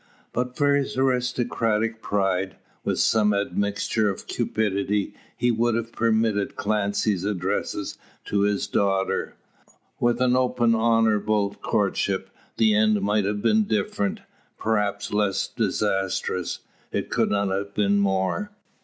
But for his aristocratic pride, with some admixture of cupidity, he would have permitted Clancy's addresses to his daughter. With an open honourable courtship, the end might have been different perhaps less disastrous. It could not have been more.